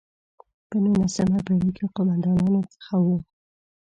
په نولسمه پېړۍ کې قوماندانانو څخه وو.